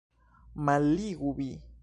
Malligu, vi!